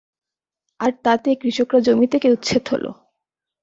আর তাতে কৃষকরা জমি থেকে উচ্ছেদ হলো।